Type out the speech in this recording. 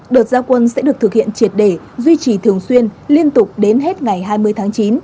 đợt gia quân sẽ được thực hiện triệt để duy trì thường xuyên liên tục đến hết ngày hai mươi tháng chín